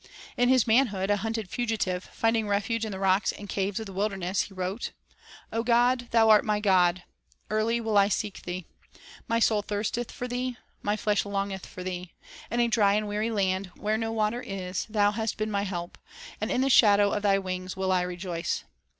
1 In his manhood a hunted fugitive, finding refuge in the rocks and caves of the wilderness, he wrote: —" O God, Thou art my God ; early will 1 seek Thee; My soul thirsteth for Thee; my flesh longeth for Thee, In a dry and weary land, where no water is. .• Thou hast been my help, And in the shadow of Thy wings will I rejoice."